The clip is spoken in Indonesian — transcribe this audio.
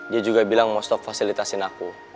dia juga bilang mau stop fasilitasin aku